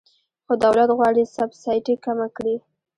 خو دولت غواړي سبسایډي کمه کړي.